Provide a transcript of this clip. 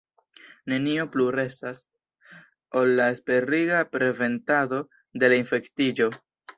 Nenio plu restas, ol la esperiga preventado de la infektiĝo.